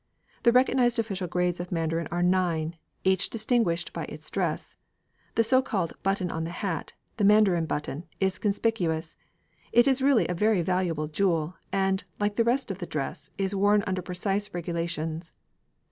The recognised official grades of mandarins are nine, each distinguished by its dress. The so called button on the hat the mandarin button is conspicuous. It is really a very valuable jewel, and, like the rest of the dress, is worn under precise regulations.